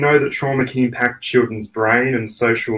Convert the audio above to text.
kita tahu trauma dapat mengimpakkan otak dan pembangunan emosi sosial